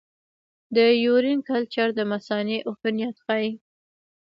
د یورین کلچر د مثانې عفونت ښيي.